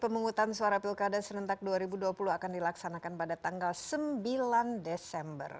pemungutan suara pilkada serentak dua ribu dua puluh akan dilaksanakan pada tanggal sembilan desember